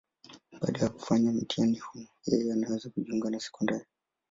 Baada ya kufanya mtihani huu, yeye anaweza kujiunga na sekondari.